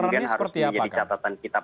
pengkarakterannya seperti apa